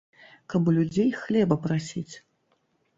Каб у людзей хлеба прасіць.